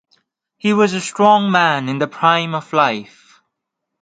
He was a strong man in the prime of life.